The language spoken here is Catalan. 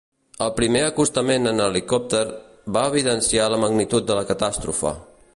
El primer acostament en helicòpter va evidenciar la magnitud de la catàstrofe.